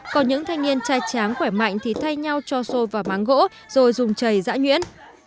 còn những thanh niên trai tráng khỏe mạnh thì thay nhau cho sôi vào máng gỗ rồi dùng chày dã nhuyễn